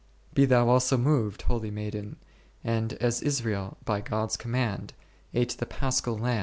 Be thou also moved, holy maiden, and as Israel, by God's command, ate the Paschal h Psalm cxxii.